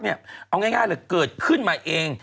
เอาง่ายเลยเกิดขึ้นมาเอง